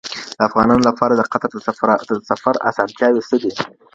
د افغانانو لپاره د قطر د سفر اسانتیاوې څه دي؟